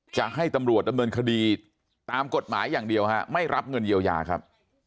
จะให้ตำรวจดำเนินคดีตามกฎหมายอย่างเดียวฮะไม่รับเงินเยียวยาครับ